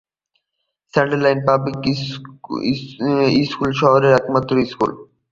স্যাডলেইর public school শহরের একমাত্র school.